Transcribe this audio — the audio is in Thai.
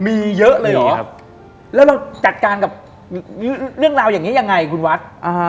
มีเยอะเลยเหรอแล้วเราจัดการกับเรื่องราวอย่างนี้ยังไงคุณวัด